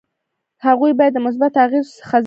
هغوی باید د مثبتو اغیزو څخه ځان ډاډه کړي.